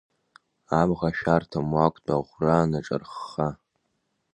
Абӷа шәарҭам, уақәтәа аӷәра наҿархха.